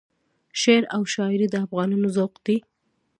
شعر او شایري د افغانانو ذوق دی.